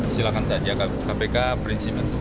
silakan saja kpk prinsip itu